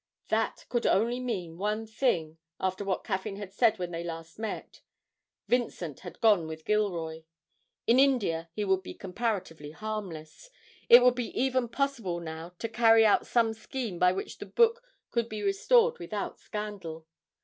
_' That could only mean one thing after what Caffyn had said when they met last. Vincent had gone with Gilroy. In India he would be comparatively harmless; it would be even possible now to carry out some scheme by which the book could be restored without scandal.